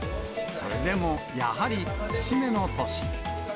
それでもやはり節目の年。